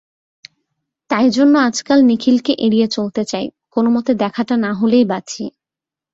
তাই জন্যে আজকাল নিখিলকে এড়িয়ে চলতে চাই, কোনোমতে দেখাটা না হলেই বাঁচি।